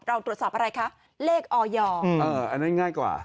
เราตรวจสอบอะไรคะเลขออยอันนั้นง่ายกว่า